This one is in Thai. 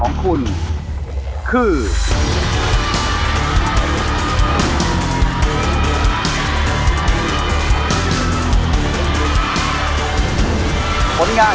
ยังเพราะความสำคัญ